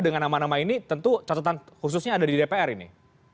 dengan nama nama ini tentu catatan khususnya ada di dpr ini